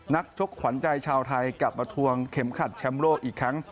ชกขวัญใจชาวไทยกลับมาทวงเข็มขัดแชมป์โลกอีกครั้ง